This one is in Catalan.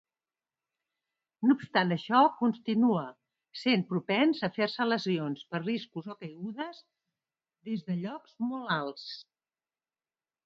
No obstant això, continua sent propens a fer-se lesions per riscos o caigudes des de llocs molt alts.